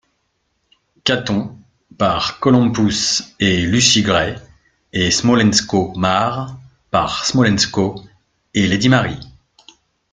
Catton par Golumpus & Lucy Grey & Smolensko mare par Smolensko & Lady Mary.